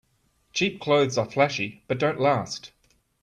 Cheap clothes are flashy but don't last.